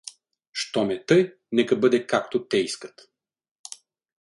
Щом е тъй, нека бъде, както те искат.